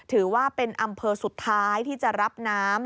ถือว่าเป็นอำเภอสุดท้ายที่จะรับน้ำ